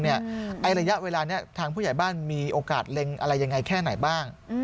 ระยะเวลานี้ทางผู้ใหญ่บ้านมีโอกาสเล็งอะไรยังไงแค่ไหนบ้าง